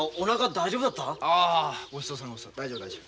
大丈夫大丈夫。